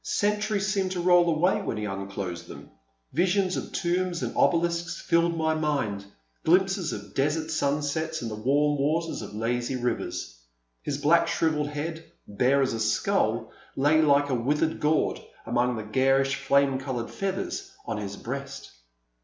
Centuries seemed to roll away when he unclosed them, visions of tombs and obelisks filled my mind — glimpses of desert sunsets and the warm waters of lazy rivers. His black shrivelled head, bare as a skull, lay like a withered gourd among the garish flame coloured feathers on his breast.